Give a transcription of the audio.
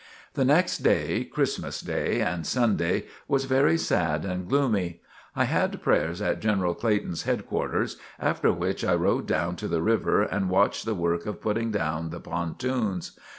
The next day, Christmas day and Sunday, was very sad and gloomy. I had prayers at General Clayton's headquarters, after which I rode down to the river and watched the work of putting down the pontoons.